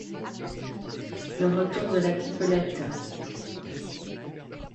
Le retour de la pipelette !